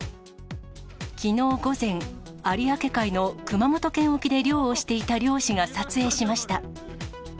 きのう午前、有明海の熊本県沖で漁をしていた漁師が撮影しました。